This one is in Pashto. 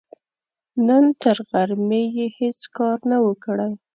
نن تر غرمې يې هيڅ کار نه و، کړی.